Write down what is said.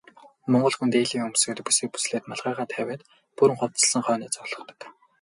Монгол хүн дээлээ өмсөөд, бүсээ бүслээд малгайгаа тавиад бүрэн хувцасласан хойноо золгодог.